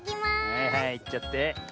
はいはいいっちゃって。